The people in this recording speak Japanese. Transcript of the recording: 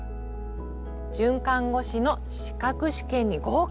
准看護師の資格試験に合格。